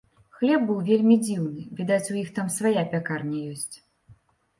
Хлеб быў вельмі дзіўны, відаць, у іх там свая пякарня ёсць.